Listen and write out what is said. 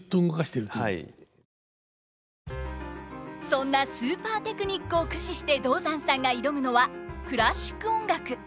そんなスーパーテクニックを駆使して道山さんが挑むのはクラシック音楽！